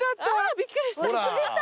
びっくりした！